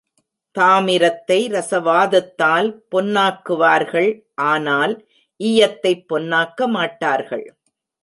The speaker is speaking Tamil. தாமிரத்தை ரஸவாதத்தால் பொன்னாக்குவார்கள் ஆனால் ஈயத்தைப் பொன்னாக்க மாட்டார்கள்.